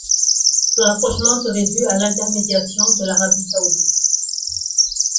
Ce rapprochement serait dû à l'intermédiation de l'Arabie saoudite.